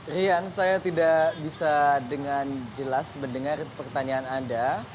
rian saya tidak bisa dengan jelas mendengar pertanyaan anda